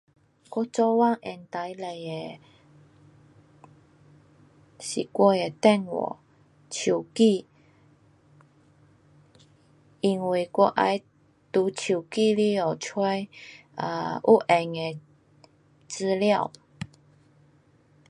我做工用最多的是我的电话，手机。因为我要在手机里下找 um 有用的资料。